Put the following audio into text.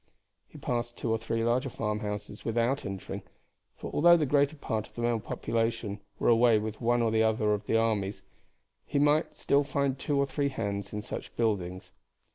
He passed two or three large farmhouses without entering, for although the greater part of the male population were away with one or other of the armies, he might still find two or three hands in such buildings.